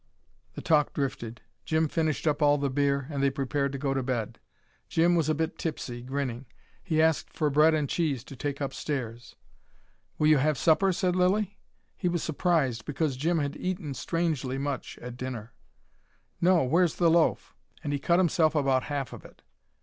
The talk drifted. Jim finished up all the beer, and they prepared to go to bed. Jim was a bit tipsy, grinning. He asked for bread and cheese to take upstairs. "Will you have supper?" said Lilly. He was surprised, because Jim had eaten strangely much at dinner. "No where's the loaf?" And he cut himself about half of it.